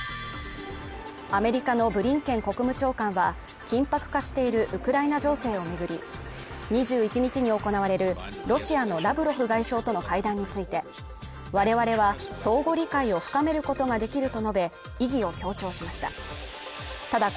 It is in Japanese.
アメリカのブリンケン国務長官は緊迫化しているウクライナ情勢をめぐり２１日に行われるロシアのラブロフ外相との会談について我々は相互理解を深めることができると述べ意義を強調しました